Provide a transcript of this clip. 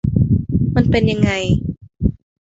มันเป็นยังไง